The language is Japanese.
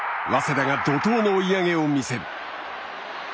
早稲田が怒涛の追い上げを見せる。